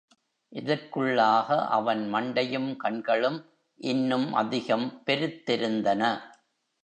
இதற்குள்ளாக அவன் மண்டையும் கண்களும் இன்னும் அதிகம் பெருத்திருந்தன.